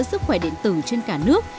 sức khỏe điện tử trên cả nước